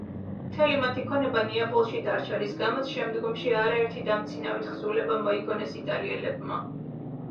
მთელი მათი ქონება ნეაპოლში დარჩა, რის გამოც შემდგომში არაერთი დამცინავი თხზულება მოიგონეს იტალიელებმა.